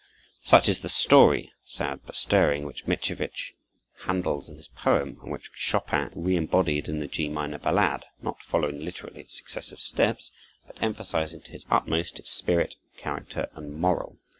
Such is the story, sad but stirring, which Mickiewicz handles in his poem, and which Chopin reëmbodied in the G minor ballade, not following literally its successive steps, but emphasizing to his utmost its spirit, character, and moral.